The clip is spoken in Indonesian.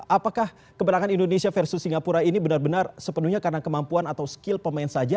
apakah keberangan indonesia versus singapura ini benar benar sepenuhnya karena kemampuan atau skill pemain saja